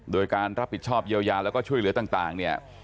โดยการรับผิดชอบเยียวยาแล้วก็ช่วยเหลือต่างเนี่ย